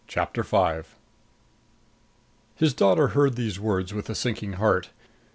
CHAPTER V His daughter heard these words with a sinking heart.